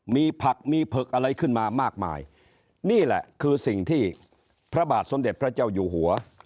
มีผักมีเผือกอะไรขึ้นมามากมายนี่แหละคือสิ่งที่พระบาทสมเด็จพระเจ้าอยู่หัว